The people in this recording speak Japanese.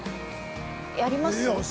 やります？